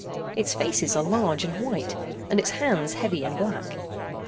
Its faces are large and white, and its hands heavy and black.